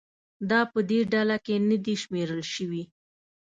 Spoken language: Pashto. دا په دې ډله کې نه دي شمېرل شوي